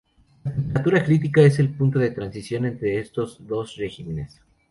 La temperatura crítica es el punto de transición entre estos dos regímenes.